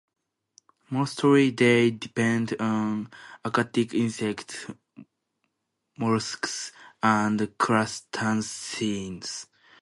Mostly they depend on aquatic insects, molluscs, and crustaceans.